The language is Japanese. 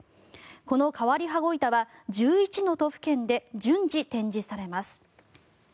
この変わり羽子板は１１都府県で順次、展示されます。